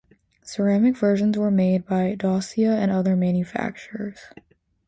Ceramic versions were made by Doccia and other manufacturers.